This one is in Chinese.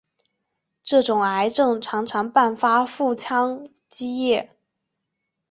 这种癌症常常伴发腹腔积液。